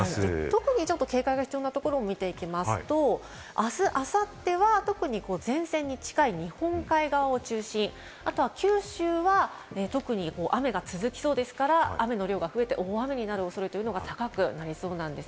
特に警戒が必要なところを見ていきますと、あす、あさっては特に前線に近い日本海側を中心にあとは九州は特に雨が続きそうですから、雨の量が増えて大雨になる恐れというのが高くなりそうなんです。